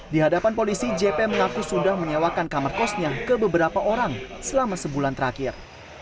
di hadapan polisi jp mengaku sudah menyewakan kamar kosnya ke beberapa orang selama sebulan terakhir